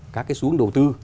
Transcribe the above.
các cái xu hướng đầu tư